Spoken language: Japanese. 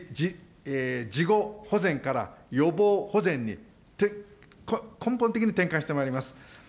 事後保全から予防保全に、根本的に転換してまいります。